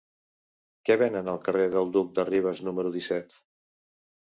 Què venen al carrer del Duc de Rivas número disset?